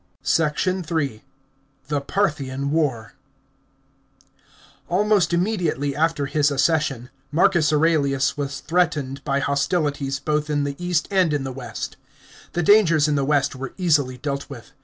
SECT. III.— THE PARTHIAN WAR. § 8. Almost immediately after his accession, Marcus Aurelius was threatened by hostilities both in the east and in the west. The dangers in the west were easily dealt with.